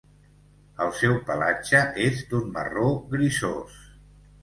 El seu pelatge és d'un marró grisós.